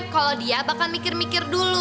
kalau dia bakal mikir mikir dulu